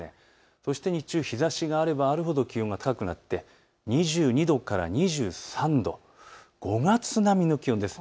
そして日中日ざしがあればあるほど気温が高くなって２２度から２３度、５月並みの気温です。